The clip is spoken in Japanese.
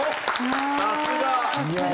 さすが！